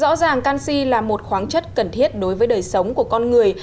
rõ ràng canxi là một khoáng chất cần thiết đối với đời sống của con người